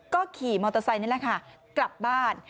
ก็ขี่มอเตอร์ไซน์กลับบ้าน